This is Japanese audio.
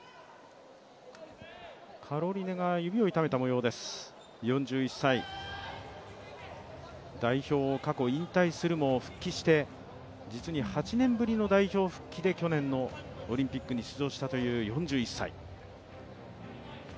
カロリネが指を痛めた模様です、４１歳、代表を過去引退するも復帰して実に８年ぶりの代表復帰で去年のオリンピックに出場したという４１歳。